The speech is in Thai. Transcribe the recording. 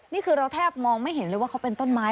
นี่คือเราแทบมองไม่เห็นเลยว่าเขาเป็นต้นไม้